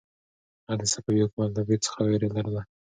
هغه د صفوي حکومت له برید څخه وېره لرله.